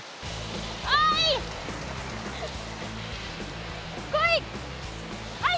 おい！